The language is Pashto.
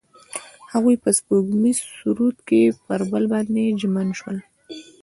هغوی په سپوږمیز سرود کې پر بل باندې ژمن شول.